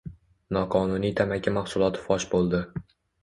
Noqonuniy tamaki mahsuloti fosh bo‘ldi